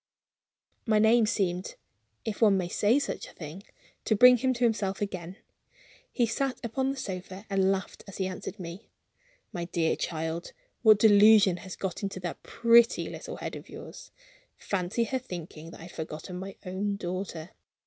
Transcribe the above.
My name seemed (if one may say such a thing) to bring him to himself again. He sat upon the sofa and laughed as he answered me. "My dear child, what delusion has got into that pretty little head of yours? Fancy her thinking that I had forgotten my own daughter!